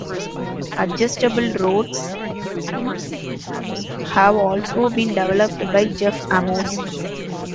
Adjustable rods have also been developed by Jeff Amos.